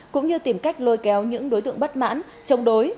cũng như tìm cách lôi kéo những đối tượng bất mãn chống đối